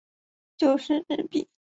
九十日币